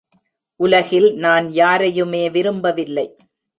உலகில் நான் யாரையுமே விரும்பவில்லை.